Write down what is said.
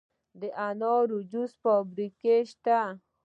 د انارو د جوس فابریکې شته.